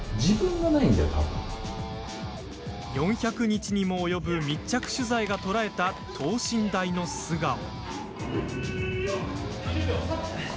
４００日にも及ぶ密着取材が捉えた等身大の素顔。